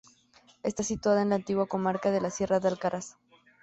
Está situada en la antigua comarca de la Sierra de Alcaraz.